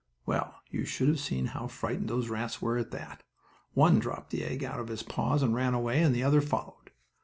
Well, you should have seen how frightened those rats were at that! One dropped the egg out of his paws and ran away, and the other followed.